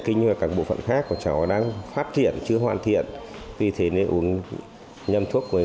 kinh hoặc các bộ phận khác của cháu đang phát triển chưa hoàn thiện vì thế nên uống nhầm thuốc